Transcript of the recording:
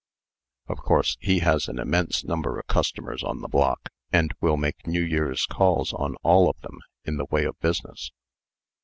Of course, he has an immense number of customers on the block, and will make New Year's calls on all of them, in the way of business.